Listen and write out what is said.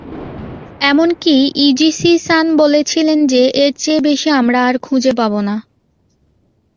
এমনকি ইজিচি-সান বলেছিলেন যে এর চেয়ে বেশি আমরা খুঁজে পাবো না।